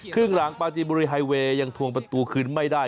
ครึ่งหลังปาจีนบุรีไฮเวย์ยังทวงประตูคืนไม่ได้